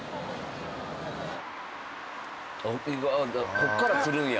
ここから来るんや。